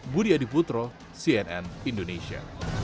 budi adiputro cnn indonesia